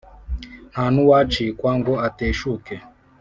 nta n’uwacikwa ngo ateshuke